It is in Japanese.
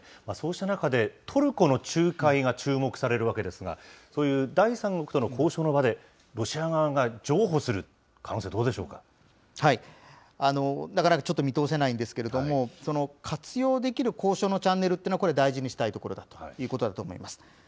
そうした中で、トルコの仲介が注目されるわけですが、そういう第三国との交渉の場で、ロシア側が譲歩する可能性、どうでしょなかなかちょっと見通せないんですけれども、活用できる交渉のチャンネルっていうのは、これ、大事にしたいところだということだと思います。